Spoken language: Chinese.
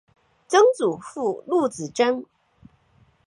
曾祖父陆子真。